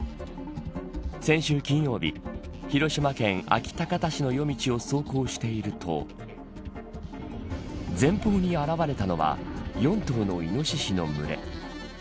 先週金曜日広島県安芸高田市の夜道を走行していると前方に現れたのは４頭のイノシシの群れ。